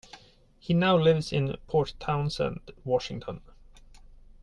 He now lives in Port Townsend, Washington.